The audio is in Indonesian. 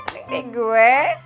sering deh gue